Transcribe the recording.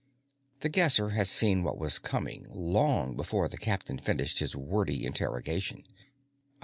The Guesser had seen what was coming long before the captain finished his wordy interrogation.